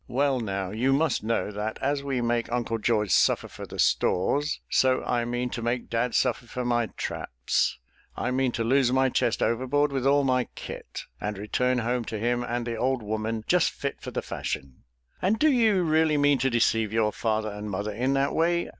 Well now, you must know, that as we make Uncle George suffer for the stores, so I mean to make dad suffer for my traps. I mean to lose my chest overboard with all my 'kit,' and return home to him and the old woman just fit for the fashion." "And do you really mean to deceive your father and mother in that way?"